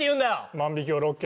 万引きを６件。